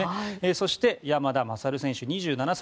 そして山田優選手２７歳。